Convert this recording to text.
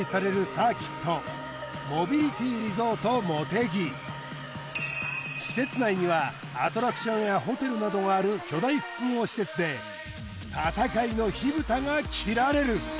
サーキットモビリティリゾートもてぎ施設内にはアトラクションやホテルなどがある巨大複合施設で戦いの火ぶたが切られる！